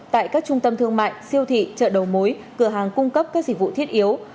tại các trung tâm thương mại siêu thị chợ đầu mối cửa hàng cung cấp các dịch vụ thiết yếu